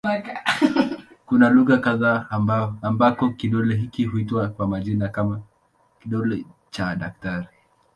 Kuna lugha kadha ambako kidole hiki huitwa kwa majina kama "kidole cha daktari".